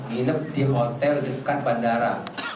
nginep di hotel dekat bandara